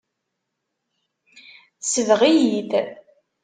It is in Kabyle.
Tesbeɣ-iyi-t.